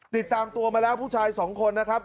ติดตามตัวมาแล้วผู้ชายสองคนนะครับ